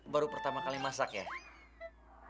baru pertama kali masak ya